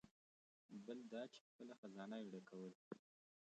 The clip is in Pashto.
بل دا چې خپله خزانه یې ډکول.